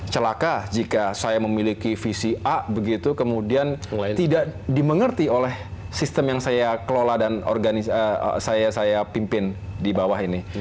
celaka jika saya memiliki visi a begitu kemudian tidak dimengerti oleh sistem yang saya kelola dan saya pimpin di bawah ini